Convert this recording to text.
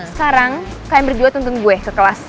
sekarang kami berdua tuntun gue ke kelas